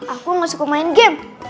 aku gak suka main game